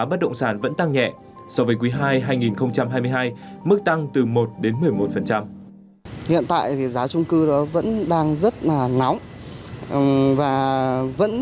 bất động sản vẫn tăng nhẹ so với quý ii hai nghìn hai mươi hai mức tăng từ một đến một mươi một